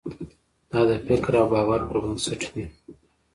دا د فکر او باور پر بنسټ وي.